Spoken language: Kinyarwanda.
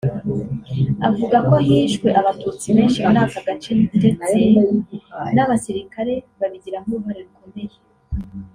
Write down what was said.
Avuga ko hishwe Abatutsi benshi muri aka gace ndetse n’abasirikare babigiramo uruhare rukomeye